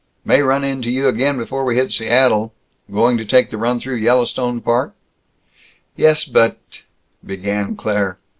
May run into you again before we hit Seattle. Going to take the run through Yellowstone Park?" "Yes, but " began Claire.